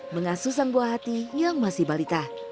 mengasusan buah hati yang masih balita